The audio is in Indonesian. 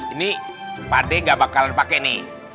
ini pak deh nggak bakalan pakai nih